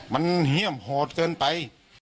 มันเหี้ยมห่อเกินไป